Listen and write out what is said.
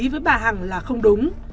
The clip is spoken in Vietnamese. với bà hằng là không đúng